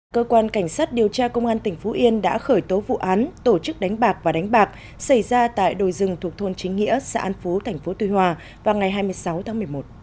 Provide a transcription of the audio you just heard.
cơ quan cảnh sát điều tra công an tỉnh phú yên đã khởi tố vụ án tổ chức đánh bạc và đánh bạc xảy ra tại đồi rừng thuộc thôn chính nghĩa xã an phú tp tuy hòa vào ngày hai mươi sáu tháng một mươi một